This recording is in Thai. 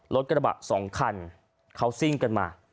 รถกระบะสองคันเขาซิ่งกันมา